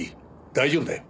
大丈夫だよ。